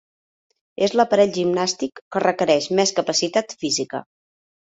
És l'aparell gimnàstic que requereix més capacitat física.